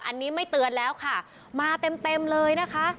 อันนี้ไม่เตือนแล้วค่ะมาเต็มเต็มเลยนะคะ